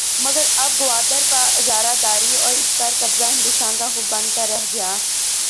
مگر اب گوادر پر اجارہ داری اور اس پر قبضہ ہندوستان کا خواب بن کے رہ گیا۔